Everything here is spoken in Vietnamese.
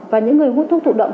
và những người hút thuốc thụ động